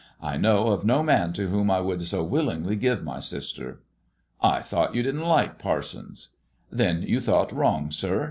I know of no man to whom I would so willingly give my sister." " I thought you didn't like parsons." " Then you thought wrong, sir.